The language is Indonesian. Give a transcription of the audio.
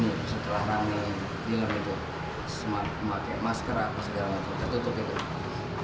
dilarang itu semak pake masker apa segala macam tertutup gitu